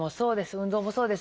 運動もそうです。